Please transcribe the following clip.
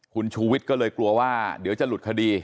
คุณชูวิทย์ก็เลยกลัวว่าเดี๋ยวจะหลุดคดี